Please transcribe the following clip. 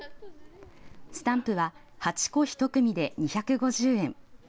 スタンプは８個１組で２５０円。